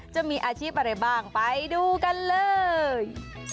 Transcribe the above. จะมีอาชีพอะไรบ้างไปดูกันเลย